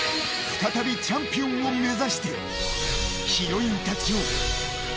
再びチャンピオンを目指してヒロインたちよ